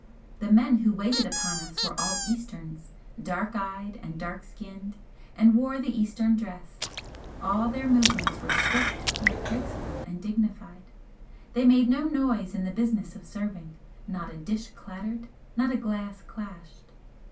The men who waited upon us were all Easterns, dark eyed and dark skinned, and wore the Eastern dress, all their movements were swift yet graceful and dignified they made no noise in the business of serving, not a dish clattered, not a glass clashed.